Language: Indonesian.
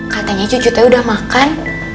katanya cucu teh udah makan